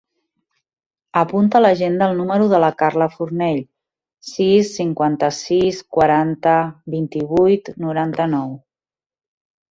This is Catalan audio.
Apunta a l'agenda el número de la Carla Fornell: sis, cinquanta-sis, quaranta, vint-i-vuit, noranta-nou.